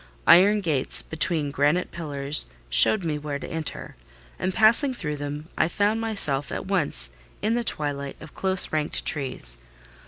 Iron gates between granite pillars showed me where to enter, and passing through them, I found myself at once in the twilight of close ranked trees.